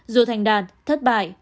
dù thành đạt thất bại